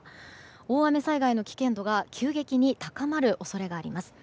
大雨災害の危険度が急激に高まる恐れがあります。